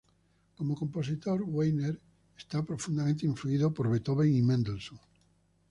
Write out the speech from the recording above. Como compositor, Weiner está profundamente influido por Beethoven y Mendelssohn.